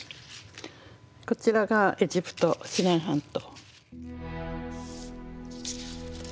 こちらがエジプトシナイ半島。